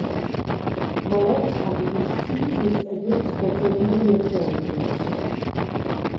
Mo lez hagi giu stgisas e detg ch’el seigi memia staunchels.